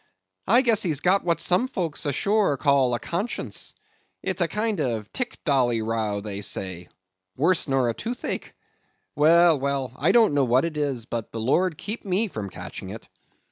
I guess he's got what some folks ashore call a conscience; it's a kind of Tic Dolly row they say—worse nor a toothache. Well, well; I don't know what it is, but the Lord keep me from catching it.